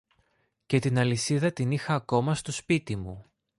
και την αλυσίδα την είχα ακόμα στο σπίτι μου.